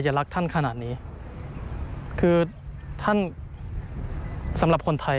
รักท่านขนาดนี้คือท่านสำหรับคนไทย